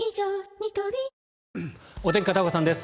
ニトリお天気、片岡さんです。